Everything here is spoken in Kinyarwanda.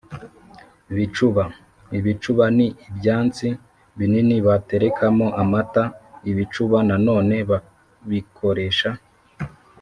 Bicuba: ibicuba ni ibyansi binini baterekamo amata. Ibicuba nanone babikoresha